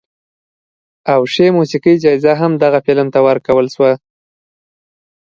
او ښې موسیقۍ جایزه هم دغه فلم ته ورکړل شوه.